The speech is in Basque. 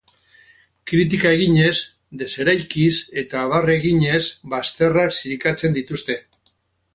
Kritika eginez, deseraikiz eta barre eginez, bazterrak zirikatzen dituzte.